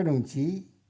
các đồng chí